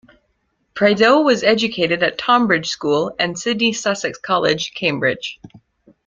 Prideaux was educated at Tonbridge School and Sidney Sussex College, Cambridge.